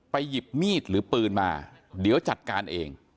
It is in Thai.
หยิบมีดหรือปืนมาเดี๋ยวจัดการเอง